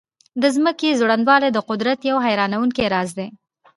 د ځمکې ځوړندوالی د قدرت یو حیرانونکی راز دی.